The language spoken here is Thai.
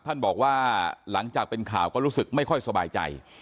ท่านบอกว่าหลังจากเป็นข่าวก็รู้สึกไม่ค่อยสบายใจ